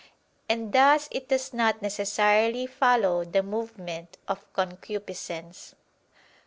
And thus it does not necessarily follow the movement of concupiscence.